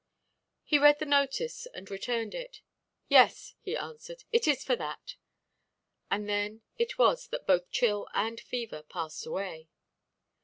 He read the notice and returned it. "Yes," he answered, "it is for that." And then it was that both chill and fever passed away.